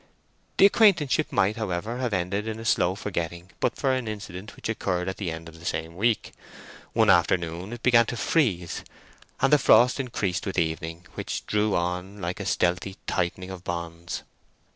The acquaintanceship might, however, have ended in a slow forgetting, but for an incident which occurred at the end of the same week. One afternoon it began to freeze, and the frost increased with evening, which drew on like a stealthy tightening of bonds.